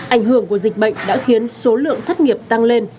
ảnh hưởng của dịch bệnh đã khiến số lượng thất nghiệp tăng lên